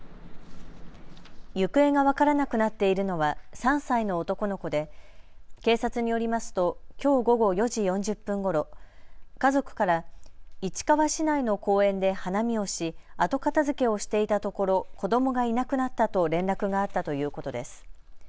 行方が分からなくなっているのは３歳の男の子で警察によりますときょう午後４時４０分ごろ家族から市川市内の公園で花見をし後片づけをしていたところ子どもがいなくなったと連絡があったということです。